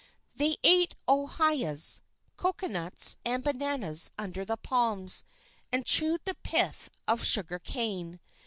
They ate ohias, cocoanuts and bananas under the palms, and chewed the pith of sugar cane.